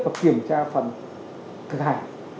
và kiểm tra phần thực hành